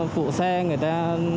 phụ xe người ta